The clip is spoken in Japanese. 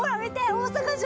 大阪城！